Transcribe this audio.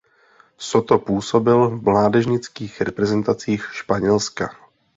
Soto působil v mládežnických reprezentacích Španělska.